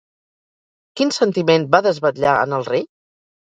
Quin sentiment va desvetllar en el rei?